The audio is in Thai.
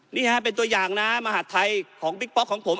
นี่ฮะเป็นตัวอย่างนะมหาดไทยของบิ๊กป๊อกของผม